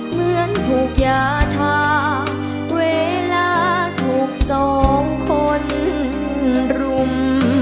เหมือนถูกยาชาเวลาถูกสองคนรุม